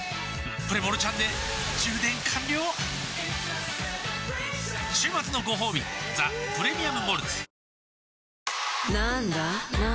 プレモルちゃんで充電完了週末のごほうび「ザ・プレミアム・モルツ」